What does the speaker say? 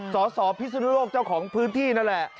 สสพิศนุโลกเจ้าของพื้นที่นั่นแหละ